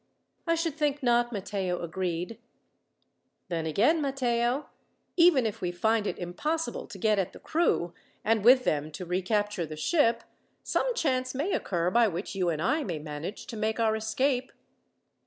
"I should think not," Matteo agreed. "Then again, Matteo, even if we find it impossible to get at the crew, and with them to recapture the ship, some chance may occur by which you and I may manage to make our escape."